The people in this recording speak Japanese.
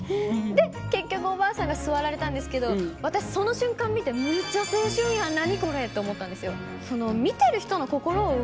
で結局おばあさんが座られたんですけど私その瞬間見て「めっちゃ青春やん！何これ！？」と思ったんですよ。